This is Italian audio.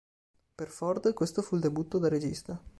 Per Forde, questo fu il debutto da regista.